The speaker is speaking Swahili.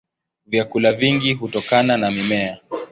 Vyakula vingi hutokana na mimea.